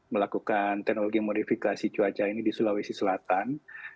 melakukan teknologi modifikasi cuaca ini di sulawesi selatan